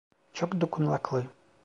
Çok dokunaklı.